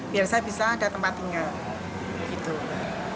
biar saya bisa ada tempat tinggal gitu